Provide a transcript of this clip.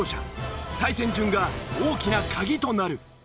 対戦順が大きな鍵となる。